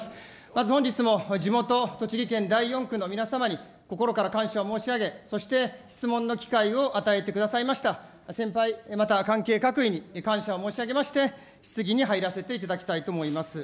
まず本日も地元、栃木県第４区の皆様に心から感謝を申し上げ、そして質問の機会を与えてくださいました先輩、また関係各位に感謝を申し上げまして、質疑に入らせていただきたいと思います。